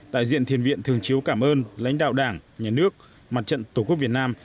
đại diện thiền viện thường chiếu cảm ơn lãnh đạo đảng nhà nước mặt trận tổ quốc việt nam